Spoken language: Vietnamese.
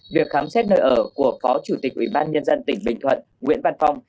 việc khám xét nơi ở của phó chủ tịch ủy ban nhân dân tỉnh bình thuận nguyễn văn phong